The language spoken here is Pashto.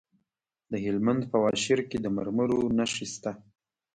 د هلمند په واشیر کې د مرمرو نښې شته.